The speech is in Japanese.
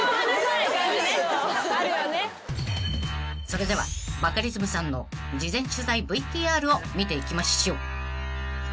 ［それではバカリズムさんの事前取材ＶＴＲを見ていきましょう］